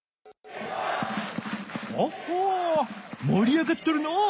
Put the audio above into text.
ほっほうもり上がっとるのう。